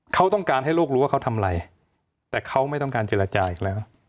เขาต้องการให้โลกรู้ว่าเขาทำอะไรแต่เขาไม่ต้องการเจรจาอีกแล้ว